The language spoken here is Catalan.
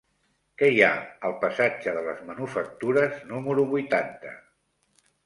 Què hi ha al passatge de les Manufactures número vuitanta?